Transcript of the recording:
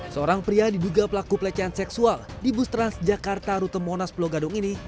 seorang pria diduga pelaku pelecehan seksual di bus transjakarta rute monas pulau gadung ini